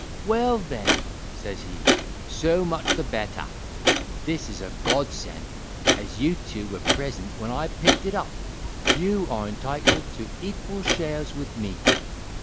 "Well, then, says he, so much the better; this is a godsend, and as you two were present when I picked it up, you are entitled to equal shares with me."